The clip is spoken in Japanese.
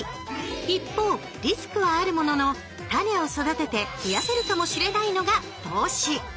一方リスクはあるものの種を育てて増やせるかもしれないのが「投資」。